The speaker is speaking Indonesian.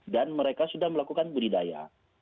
dan mereka sudah melakukan budidaya